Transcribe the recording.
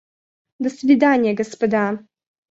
До свидания, господа.